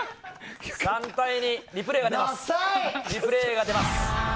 ３対２、リプレイが出ます。